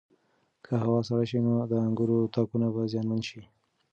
که هوا سړه شي نو د انګورو تاکونه به زیانمن شي.